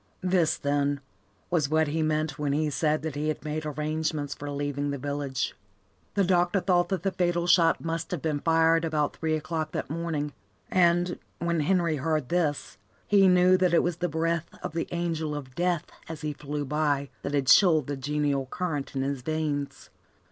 This, then, was what he meant when he said that he had made arrangements for leaving the village. The doctor thought that the fatal shot must have been fired about three o'clock that morning, and, when Henry heard this, he knew that it was the breath of the angel of death as he flew by that had chilled the genial current in his veins.